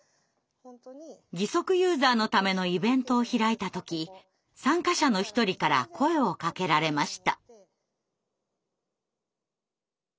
義足ユーザーのためのイベントを開いた時参加者の一人から声をかけられました。